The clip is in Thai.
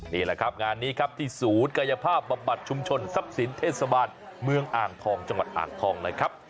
นี่แหละครับงานนี้ครับที่ศูนย์กายภาพบำบัดชุมชนทรัพย์สินเทศบาลเมืองอ่างทองจังหวัดอ่างทองนะครับ